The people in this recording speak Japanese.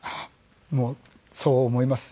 もうそう思います。